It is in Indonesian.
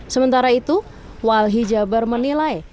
sementara itu walhijabar menilai